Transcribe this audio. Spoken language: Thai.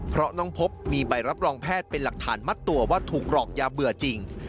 เพราะน้องพบมีใบรับรองแพทย์เป็นหลักฐานมัดตัวว่าถูกหลอกยาเบื่อจริง